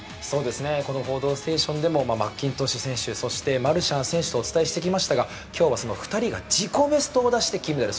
「報道ステーション」でもマッキントッシュ選手そしてマルシャン選手とお伝えしてきましたが今日は２人が自己ベストを出して金メダル。